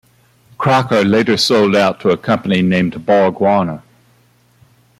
Crocker later sold out to a company named Borg Warner.